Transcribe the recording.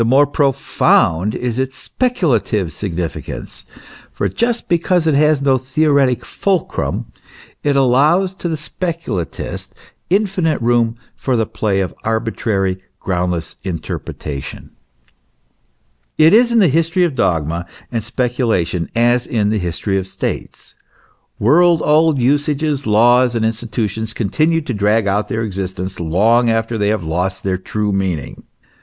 The more empty it is, however, for natural philosophy, the more profound is its " speculative" significance; for just because it has no theoretic fulcrum, it allows to the speculatist infinite room for the play of arbitrary, groundless interpretation. It is in the history of dogma and speculation as in the history of states. World old usages, laws, and institutions, continue to drag out their existence long after they have lost their true meaning.